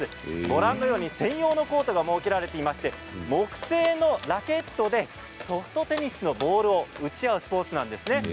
ご覧のように専用のコートが設けられていて木製のラケットでソフトテニスのボールを打ち合うスポーツです。